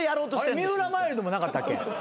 三浦マイルドもなかったっけ？